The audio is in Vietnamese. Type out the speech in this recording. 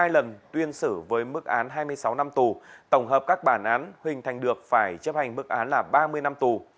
hai lần tuyên xử với mức án hai mươi sáu năm tù tổng hợp các bản án huỳnh thành được phải chấp hành mức án là ba mươi năm tù